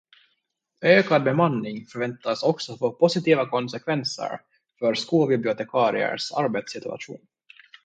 Ökad bemanning förväntas också få positiva konsekvenser för skolbibliotekariers arbetssituation.